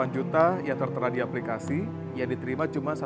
delapan juta yang tertera di aplikasi yang diterima cuma satu